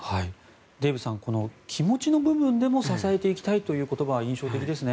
デーブさん気持ちの部分でも支えていきたいという言葉が印象的ですね。